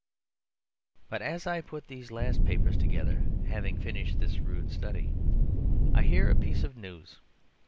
But as I put these last papers together, having finished this rude study, I hear a piece of news.